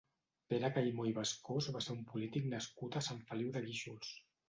Pere Caimó i Bascós va ser un polític nascut a Sant Feliu de Guíxols.